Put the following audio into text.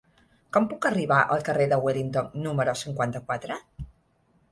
Com puc arribar al carrer de Wellington número cinquanta-quatre?